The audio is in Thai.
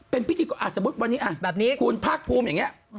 เป็นพิธีก็สมมุติวันนี้คุณภาคภูมิอย่างนี้